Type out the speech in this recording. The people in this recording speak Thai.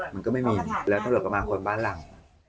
มันก็ไม่มีแล้วตำรวจก็มาค้นบ้านหลัง